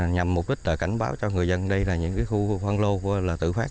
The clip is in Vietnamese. nhằm mục đích cảnh báo cho người dân đây là những khu văn lô tự phát